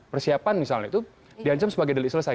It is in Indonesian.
persiapan misalnya itu di ancam sebagai delik selesai